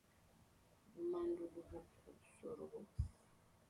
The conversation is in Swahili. azidi wagombea wenzake kwa wingi wa kura